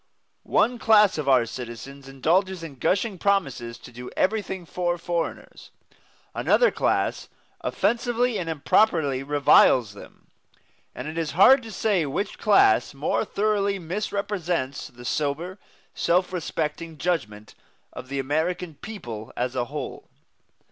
One class of our citizens indulges in gushing promises to do everything for foreigners, another class offensively and improperly reviles them; and it is hard to say which class more thoroughly misrepresents the sober, self respecting judgment of the American people as a whole.